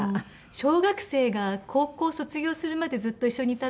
小学生が高校卒業するまでずっと一緒にいたって感じなんですね。